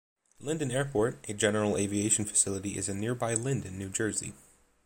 Linden Airport, a general aviation facility is in nearby Linden, New Jersey.